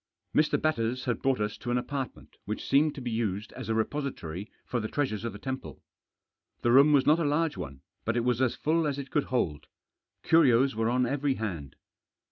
Mr. Batters had brought us to an apartment which seemed to be used as a repository for the treasures of the temple. The room was not a large one, but it was as full as it could hold. Curios were on every hand.